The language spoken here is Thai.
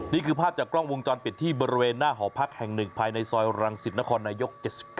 นี่คือภาพจากกล้องวงจรปิดที่บริเวณหน้าหอพักแห่ง๑ภายในซอยรังสิตนครนายก๗๙